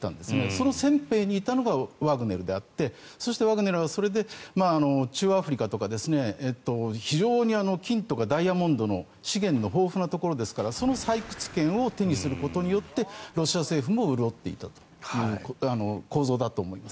その先兵にいたのがワグネルであってそれでワグネルはそれで中アフリカとか非常に金とかダイヤモンドの資源の豊富なところですからその採掘権を手にすることによってロシア政府も潤っていたという構造だと思います。